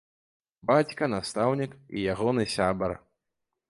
Бацька, настаўнік, і ягоны сябар.